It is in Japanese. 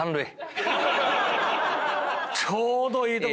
ちょうどいいとこで